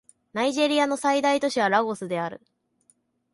ナイジェリアの最大都市はラゴスである